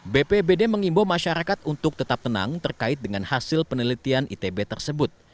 bpbd mengimbau masyarakat untuk tetap tenang terkait dengan hasil penelitian itb tersebut